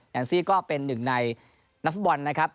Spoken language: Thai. แอนซี่ก็เป็นหนึ่งในนักฟุตบอลนะครับ